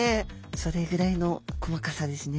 それぐらいの細かさですね。